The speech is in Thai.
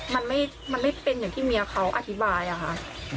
มันไม่เป็นอย่างที่เมียเขาอธิบายอะค่ะ